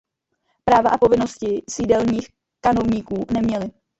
Práva a povinnosti sídelních kanovníků neměli.